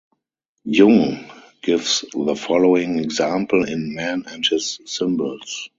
Jung gives the following example in "Man and His Symbols".